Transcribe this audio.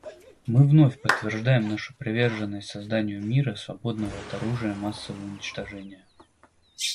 Мы вновь подтверждаем нашу приверженность созданию мира, свободного от оружия массового уничтожения.